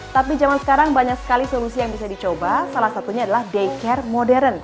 tapi zaman sekarang banyak sekali solusi yang bisa dicoba salah satunya adalah daycare modern